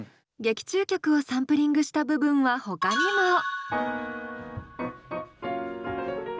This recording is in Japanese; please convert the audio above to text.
劇中曲をサンプリングした部分はほかにも。